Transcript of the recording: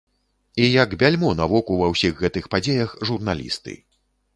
І як бяльмо на воку ва ўсіх гэтых падзеях журналісты.